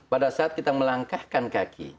pada saat kita melangkahkan kaki